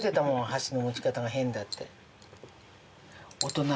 箸の持ち方が変だって。